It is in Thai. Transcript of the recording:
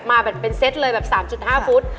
มาเป็นเซตเลย๓๕ฟุต